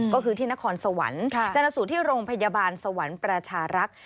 ก็คือที่นครสวรรค์ชนสูตรที่โรงพยาบาลสวรรค์ประชารักษ์